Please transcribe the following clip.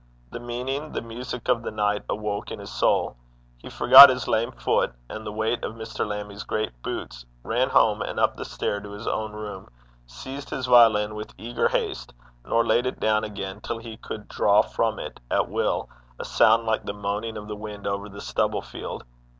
The meaning, the music of the night awoke in his soul; he forgot his lame foot, and the weight of Mr. Lammie's great boots, ran home and up the stair to his own room, seized his violin with eager haste, nor laid it down again till he could draw from it, at will, a sound like the moaning of the wind over the stubble field.